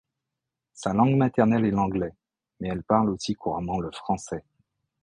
Sa langue maternelle est l'anglais, mais elle parle aussi couramment le français.